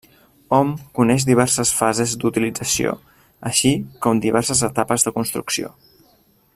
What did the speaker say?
Hom coneix diverses fases d'utilització, així com diverses etapes de construcció.